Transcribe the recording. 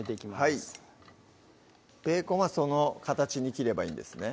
はいベーコンはその形に切ればいいんですね